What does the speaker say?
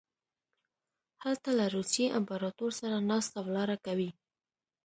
هلته له روسیې امپراطور سره ناسته ولاړه کوي.